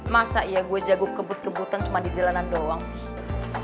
masa ya gue jago kebut kebutan cuma di jalanan doang sih